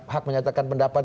hak menyatakan pendapat